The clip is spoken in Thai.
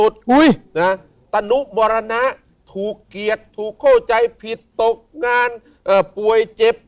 ตนุมรณะถูกเกียรติถูกเข้าใจผิดตกงานป่วยเจ็บ